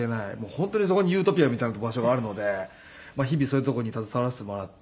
本当にそこにユートピアみたいな場所があるので日々そういうとこに携わらせてもらって。